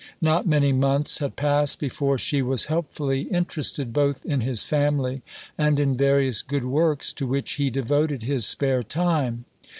Not many months had passed before she was helpfully interested both in his family and in various good works to which he devoted his spare time.